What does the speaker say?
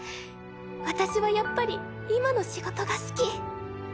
私はやっぱり今の仕事が好き。